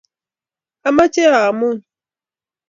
amoche amuny.